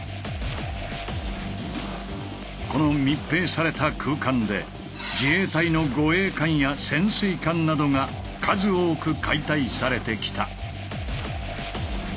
この密閉された空間で自衛隊の護衛艦や潜水艦などが数多く解体されてきた。